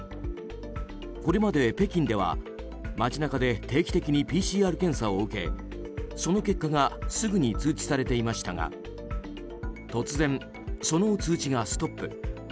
これまで北京では街中で定期的にＰＣＲ検査を受けその結果がすぐに通知されていましたが突然、その通知がストップ。